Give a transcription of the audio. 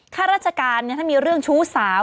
ข้าราชการถ้ามีเรื่องชู้สาว